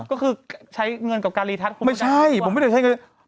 ก็คือใช้เงินกับการรีทัศน์คุณพุทธหรือเปล่าไม่ใช่ผมไม่ได้ใช้เงินการรีทัศน์